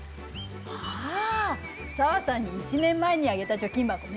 ああ紗和さんに１年前にあげた貯金箱ね。